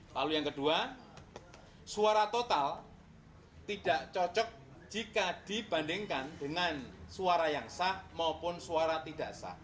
lalu yang kedua suara total tidak cocok jika dibandingkan dengan suara yang sah maupun suara tidak sah